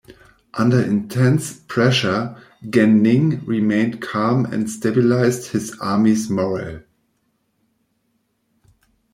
Under intense pressure, Gan Ning remained calm and stabilized his army's morale.